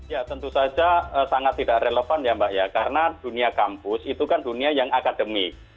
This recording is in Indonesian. ya tentu saja sangat tidak relevan ya mbak ya karena dunia kampus itu kan dunia yang akademik